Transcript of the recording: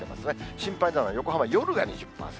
心配なのは横浜、夜が２０％。